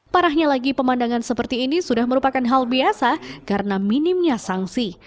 parahnya lagi pemandangan seperti ini sudah merupakan hal biasa karena minimnya sanksi